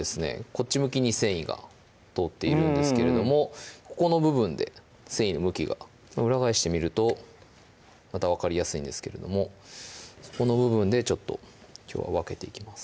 こっち向きに繊維が通っているんですけれどもここの部分で繊維の向きが裏返してみるとまた分かりやすいんですけれどもそこの部分でちょっときょうは分けていきます